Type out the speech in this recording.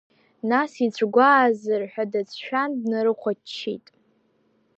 Нас, ицәгәаазар ҳәа дацәшәан, днарыхәаччеит…